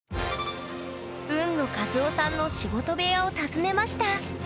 海野和男さんの仕事部屋を訪ねました